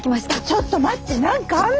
ちょっと待って何かあんの！